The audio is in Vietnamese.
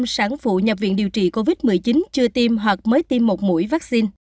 năm mươi chín sản phụ nhập viện điều trị covid một mươi chín chưa tiêm hoặc mới tiêm một mũi vaccine